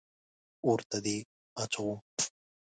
اور ته دې اچوم.